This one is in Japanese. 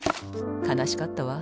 かなしかったわ。